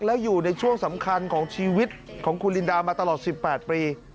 แล้วอยู่ในช่วงสำคัญของชีวิตของคุณลินดามาตลอด๑๘ปี